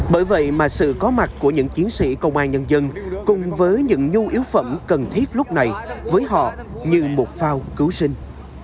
bởi vậy mà sự có mặt của những chiến sĩ công an nhân dân cùng với những nhu yếu phẩm cần thiết lúc này với họ như một phao cứu sinh